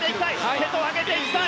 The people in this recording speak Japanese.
瀬戸、上げていきたい。